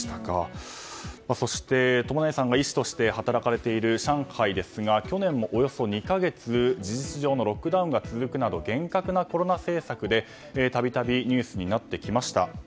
そして、友成さんが医師として働かれている上海ですが去年もおよそ２か月事実上のロックダウンが続くなど厳格なコロナ政策で度々ニュースになってきました。